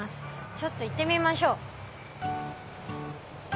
ちょっと行ってみましょう。